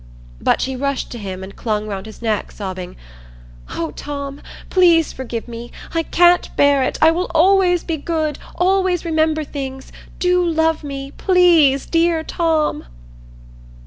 But she rushed to him and clung round his neck, sobbing, "Oh, Tom, please forgive me—I can't bear it—I will always be good—always remember things—do love me—please, dear Tom!"